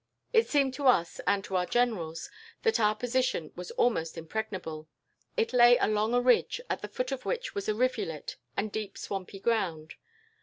It seemed to us, and to our generals, that our position was almost impregnable. It lay along a ridge, at the foot of which was a rivulet and deep swampy ground.